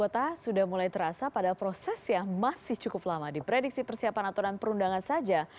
tim liputan cnn indonesia